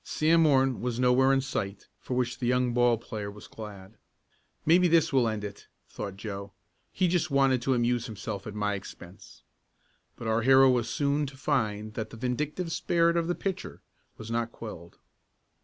Sam Morton was nowhere in sight, for which the young ball player was glad. "Maybe this will end it," thought Joe. "He just wanted to amuse himself at my expense." But our hero was soon to find that the vindictive spirit of the pitcher was not quelled.